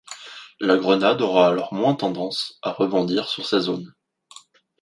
La grenade aura alors moins tendance à rebondir sur ces zones.